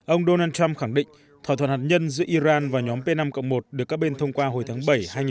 ông donald trump khẳng định thỏa thuận hạt nhân giữa iran và nhóm p năm một được các bên thông qua hồi tháng bảy hai nghìn một mươi